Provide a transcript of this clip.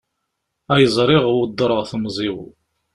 Ay ẓriɣ weddreɣ temẓi-w.